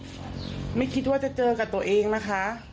ไม่คิดว่าจะเจอกับตัวเองนะคะ